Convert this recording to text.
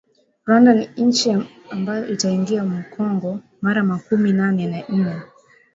Rwanda ni inchi ambayo itaingia mu kongo mara makumi nane na ine